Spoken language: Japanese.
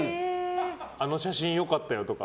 あの写真良かったよとか。